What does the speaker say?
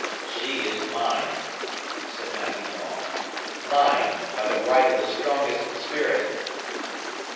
"She is mine!" said Matthew Maule. "Mine, by the right of the strongest spirit!"